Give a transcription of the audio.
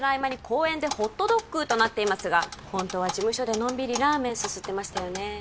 「公園でホットドッグ！」となっていますがホントは事務所でのんびりラーメンすすってましたよね